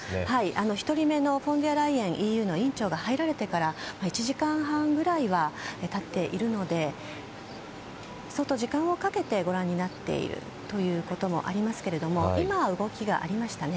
１人目のフォン・デア・ライエンＥＵの委員長が入られてから１時間半ぐらいは経っているので相当、時間をかけてご覧になっているということもありますけれども今、動きがありましたね。